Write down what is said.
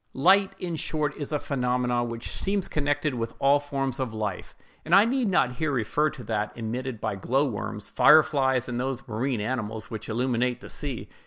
Light, in short, is a phenomenon which seems connected with all forms of life; and I need not here refer to that emitted by glow worms, fire flies, and those marine animals which illuminate the sea.